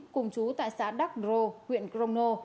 cùng chú tại xã đắc rô huyện crono